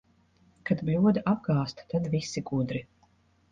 Kad bļoda apgāzta, tad visi gudri.